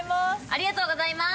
ありがとうございます。